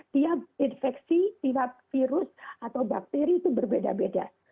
tiap infeksi tiap virus atau bakteri itu berbeda beda